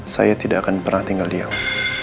saya tidak akan pernah tinggal di awal